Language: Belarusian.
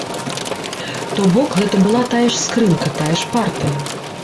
То бок гэта была тая ж скрынка, тая ж партыя.